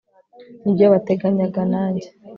nibyo bateganyaga nanjye